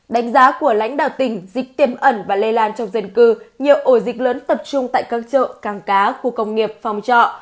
đánh giá của lãnh đạo tỉnh dịch tiềm ẩn và lây lan trong dân cư nhiều ổ dịch lớn tập trung tại các chợ càng cá khu công nghiệp phòng trọ